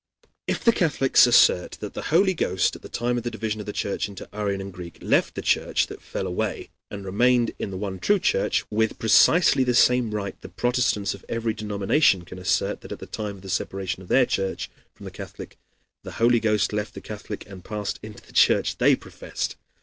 If the Catholics assert that the Holy Ghost, at the time of the division of the Church into Arian and Greek, left the Church that fell away and remained in the one true Church, with precisely the same right the Protestants of every denomination can assert that at the time of the separation of their Church from the Catholic the Holy Ghost left the Catholic and passed into the Church they professed.